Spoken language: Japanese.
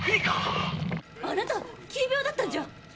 あなた急病だったんじゃ。